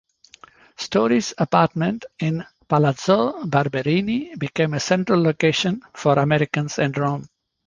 Story's apartment in Palazzo Barberini became a central location for Americans in Rome.